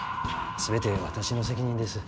全て私の責任です。